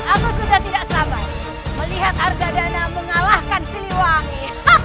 aku sudah tidak sabar melihat harga dana mengalahkan siliwangi